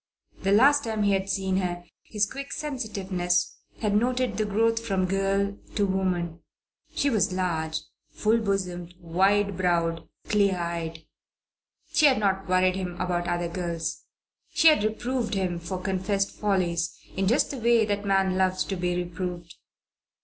The last time he had seen her, his quick sensitiveness had noted the growth from girl to woman. She was large, full bosomed, wide browed, clear eyed. She had not worried him about other girls. She had reproved him for confessed follies in just the way that man loves to be reproved.